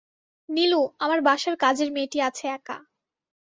নীলু, আমার বাসায় কাজের মেয়েটি আছে একা।